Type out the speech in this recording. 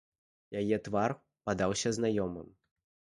Яе твар падаўся знаёмым.